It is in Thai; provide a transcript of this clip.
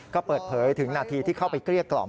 ก็เปิดเผยถึงนาทีที่เข้าไปเกลี้ยกล่อม